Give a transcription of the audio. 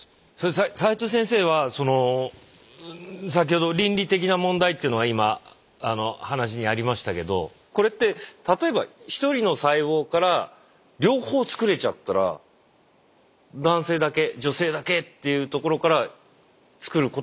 斎藤先生はその先ほど倫理的な問題というのは今話にありましたけどこれって例えば一人の細胞から両方作れちゃったら男性だけ女性だけっていうところから作ることも可能な？